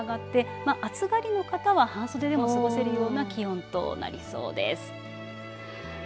２５度から２６度まで上がって暑がりの方は半袖でも過ごせるような気温となりそうです。